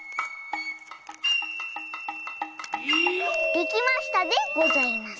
できましたでございます。